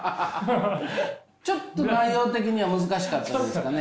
ちょっと内容的には難しかったですかね？